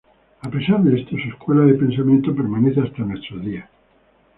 A pesar de esto, su escuela de pensamiento permanece hasta nuestros días.